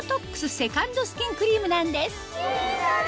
セカンドスキンクリームなんですいいな！